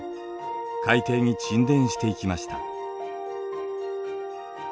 海底に沈殿していきました。